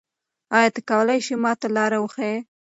آیا ته کولای ېې ما ته لاره وښیې؟